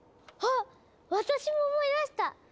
あっ私も思い出した！